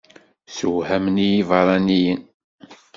Ssewhamen-iyi ibeṛṛaniyen.